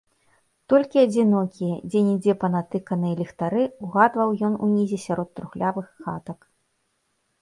Толькі адзінокія, дзе-нідзе панатыканыя, ліхтары ўгадваў ён унізе сярод трухлявых хатак.